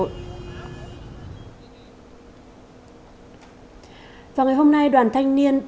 vào ngày hôm nay đoàn tàu đã đưa ra cơ quan công an đầu thú và khai nhận hành vi phạm tội